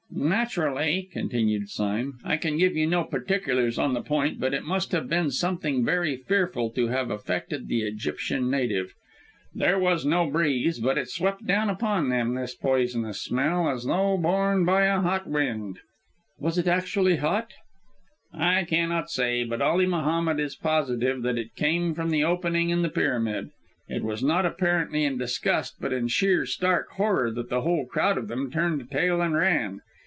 "Naturally," continued Sime, "I can give you no particulars on the point, but it must have been something very fearful to have affected the Egyptian native! There was no breeze, but it swept down upon them, this poisonous smell, as though borne by a hot wind." "Was it actually hot?" "I cannot say. But Ali Mohammed is positive that it came from the opening in the pyramid. It was not apparently in disgust, but in sheer, stark horror, that the whole crowd of them turned tail and ran.